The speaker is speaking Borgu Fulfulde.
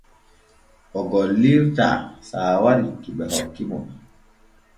O gollirtaa saawari ki ɓe hokki mo.